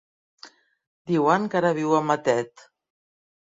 Diuen que ara viu a Matet.